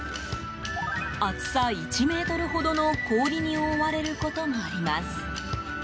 厚さ１ｍほどの氷に覆われることもあります。